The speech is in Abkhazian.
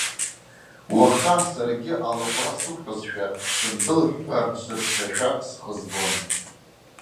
Уаха саргьы алаӷәра сықәтәазшәа, сындәылыҳәҳәар, сыршьрашәа схы збон.